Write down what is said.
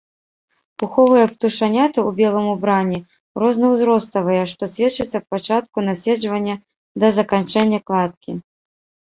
Пуховыя птушаняты ў белым убранні, рознаўзроставыя, што сведчыць аб пачатку наседжвання да заканчэння кладкі.